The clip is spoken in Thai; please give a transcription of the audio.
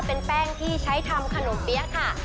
เป็นแป้งที่ใช้ทำขนมเปี๊ยะค่ะ